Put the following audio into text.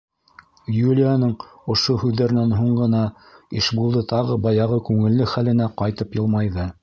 Юлияның ошо һүҙҙәренән һуң ғына Ишбулды тағы баяғы күңелле хәленә ҡайтып йылмайҙы.